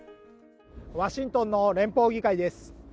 ワシントンの連邦議会です。